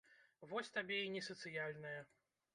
Вось табе і не сацыяльная.